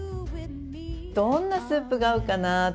どんなスープが合うかなと思って。